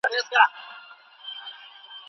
لکه ملنگ چې د پاچا د کلا ور ووهي